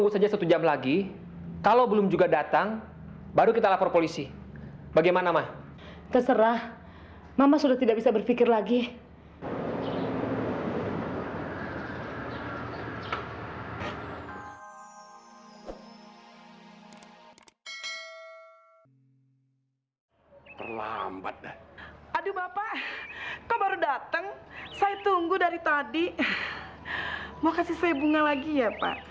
sampai jumpa di video selanjutnya